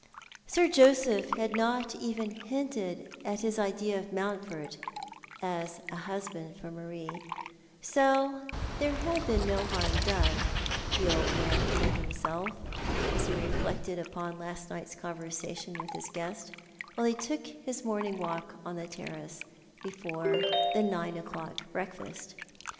Sir Joseph had not even hinted at his idea of Mountford as a husband for Marie ; so there had been no harm done, the old man told himself, as he reflected upon last night's conversation with his guest, while he took his morning walk on the terrace^ before the nine o'clock breakfast.